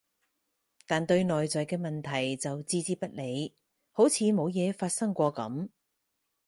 但對內在嘅問題就置之不理，好似冇嘢發生過噉